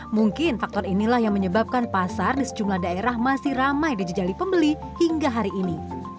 mungkin faktor inilah yang menyebabkan pasar di sejumlah daerah masih ramai dijajali pembeli hingga hari ini